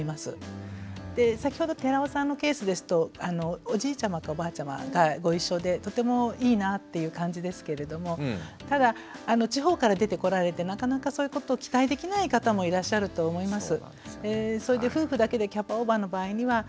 先ほど寺尾さんのケースですとおじいちゃまかおばあちゃまがご一緒でとてもいいなぁっていう感じですけれどもただ地方から出てこられてなかなかそういうことを期待できない方もいらっしゃると思います。